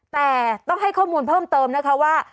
แต่ต้องให้ข้อมูลเพิ่มเติมนะคะว่า